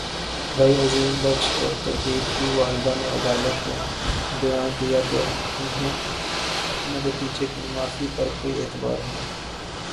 بھائی عظیم بخش اور قندیل کی والدہ نے عدالت میں بیان دیا کہ انہیں اپنے بھتیجے کی معافی پر کوئی اعتبار نہیں